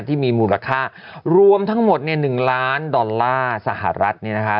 ที่มีมูลค่ารวมทั้งหมดเนี่ย๑ล้านดอลลาร์สหรัฐเนี่ยนะคะ